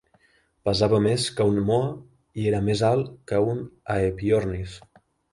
Pesava més que un moa i era més alt que un Aepyornis.